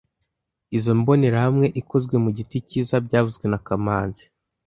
Izoi mbonerahamwe ikozwe mu giti cyiza byavuzwe na kamanzi